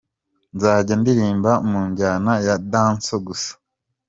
Nzajya ndirimba mu njyana ya Dancehall gusa.